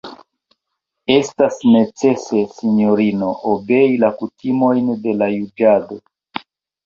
Estas necese, sinjorino, obei la kutimojn de la juĝado.